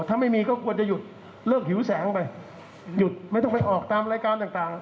ถ้าไม่มีก็ควรจะหยุดเลิกหิวแสงไปหยุดไม่ต้องไปออกตามรายการต่าง